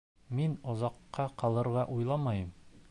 Мин оҙаҡҡа ҡалырға уйламайым